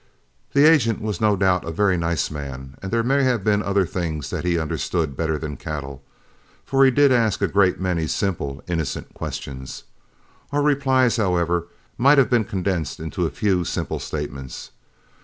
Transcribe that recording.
The agent was no doubt a very nice man, and there may have been other things that he understood better than cattle, for he did ask a great many simple, innocent questions. Our replies, however, might have been condensed into a few simple statements.